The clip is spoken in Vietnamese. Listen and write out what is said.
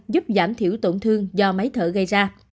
giúp giảm thiểu tổn thương do máy thở gây ra